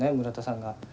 村田さんが。